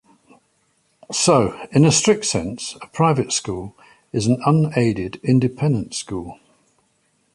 So, in a strict sense, a private school is an unaided independent school.